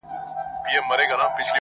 زه خو نه غواړم ژوندون د بې هنبرو.!